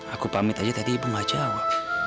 aku pamit aja tadi ibu gak jawab